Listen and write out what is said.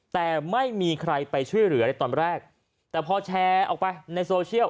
แต่ไม่มีใครไปช่วยเหลือในตอนแรกแต่พอแชร์ออกไปในโซเชียล